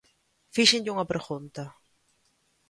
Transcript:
Fíxenlle unha pregunta.